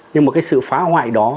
nhưng sự phá hoại đó